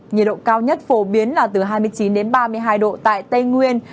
nhiệt độ cao nhất phổ biến là từ hai mươi chín đến ba mươi hai độ tại tây nguyên